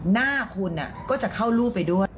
หน้าคุณก็จะเข้ารูปไปด้วย